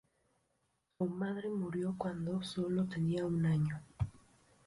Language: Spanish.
Su madre murió cuándo sólo tenía un año.